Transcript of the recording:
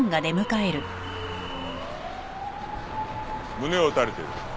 胸を撃たれてる。